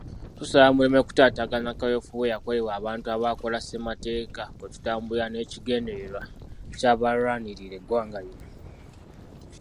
Tusaba muleme kutaataganya kaweefube eyakolebwa abantu abaakola ssemateeka kwe tutambulira n'ekigendererwa ky'abalwanirira eggwanga lino.